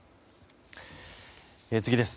次です。